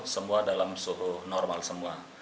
semua dalam suhu normal semua